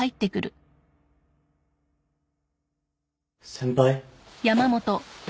・先輩？